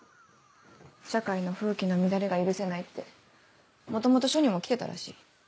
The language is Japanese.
社会の風紀の乱れが許せないって元々署にも来てたらしい。